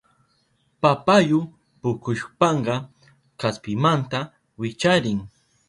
Papayu pukushpanka kaspimanta wicharin.